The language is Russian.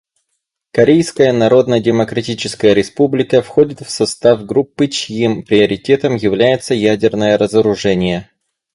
Корейская Народно-Демократическая Республика входит в состав группы, чьим приоритетом является ядерное разоружение.